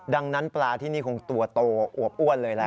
ดังนั้นปลาที่นี่คงตัวโตอวบอ้วนเลยแหละ